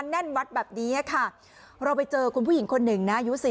แน่นวัดแบบนี้ค่ะเราไปเจอคุณผู้หญิงคนหนึ่งนะอายุ๔๐